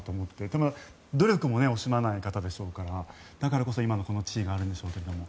でも努力も惜しまない方でしょうからだからこそ今の地位があるんでしょうけども。